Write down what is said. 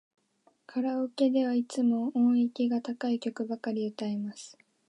カラオケではいつも音域が高い曲ばかり歌います。